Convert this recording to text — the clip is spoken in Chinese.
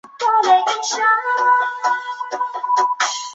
渐渐恢复体力